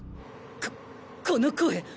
ここの声。